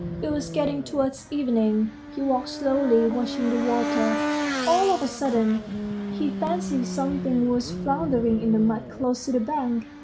It was getting towards evening. He walked slowly, watching the water. All of a sudden he fancied something was floundering in the mud close to the bank.